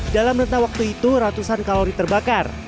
dalam rentang waktu itu ratusan kalori terbakar